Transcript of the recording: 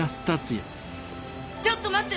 ちょっと待って！